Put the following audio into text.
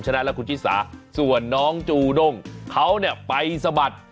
นะแล้วคุณชิสาส่วนน้องจูด้งเขาเนี่ยไปสะบัด